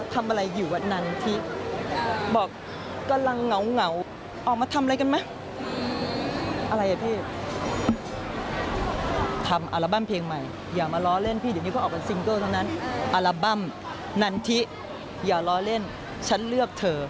ต้องรอเล่นฉันเลือกเธอ